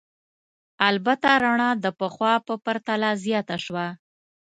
البته رڼا د پخوا په پرتله زیاته شوه.